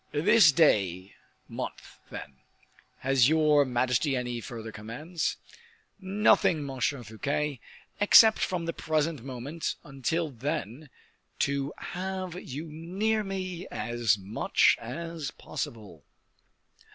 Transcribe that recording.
"This day month, then." "Has your majesty any further commands?" "Nothing, Monsieur Fouquet, except from the present moment until then to have you near me as much as possible."